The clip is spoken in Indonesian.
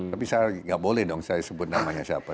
tapi saya nggak boleh dong saya sebut namanya siapa